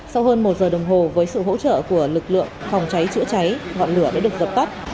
sau hơn một giờ đồng hồ với sự hỗ trợ của lực lượng phòng cháy chữa cháy ngọn lửa đã được dập tắt